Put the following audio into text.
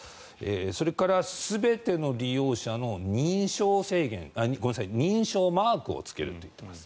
それから、全ての利用者に認証マークをつけると言っています。